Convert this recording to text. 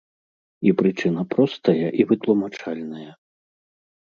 І прычына простая і вытлумачальная.